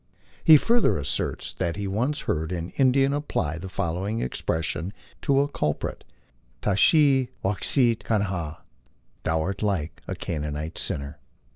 He further asserts that he once heard an Indian apply the following expression to a culprit: * TscJii tcaksit canafia " Thou art like unto a Canaanite sinner.